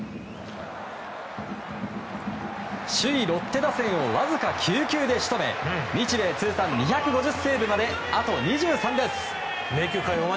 首位ロッテ打線をわずか９球で仕留め日米通算２５０セーブまであと２３です。